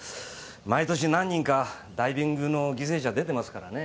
毎年何人かダイビングの犠牲者出てますからね。